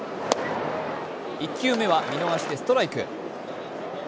１球目は見逃しでストライク。